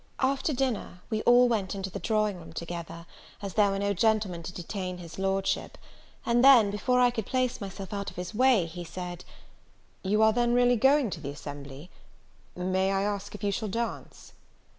After dinner, we all went into the drawing room together, as there were no gentlemen to detain his Lordship; and then, before I could place myself out of his way, he said, "You are then really going to the assembly? May I ask if you shall dance?"